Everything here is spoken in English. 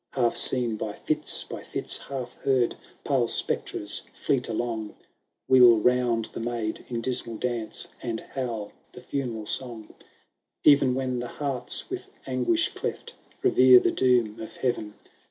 LXY Half seen by fits, by fits half heard, Pale spectres fleet along ; Wheel round the maid in dismal dance, And howl the funeral song : LXVI " E'en when the heart 's with anguish cleft, Revere the doom of Heaven.